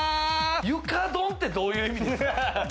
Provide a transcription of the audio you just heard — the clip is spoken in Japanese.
床ドンってどういう意味ですか？